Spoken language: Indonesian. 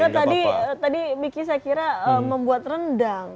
karena tadi miki saya kira membuat rendang